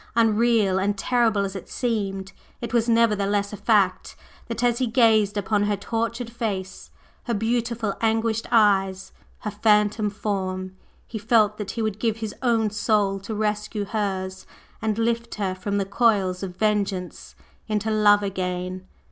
Unreal and terrible as it seemed, it was nevertheless a fact, that as he gazed upon her tortured face, her beautiful anguished eyes, her phantom form, he felt that he would give his own soul to rescue hers and lift her from the coils of vengeance into love again!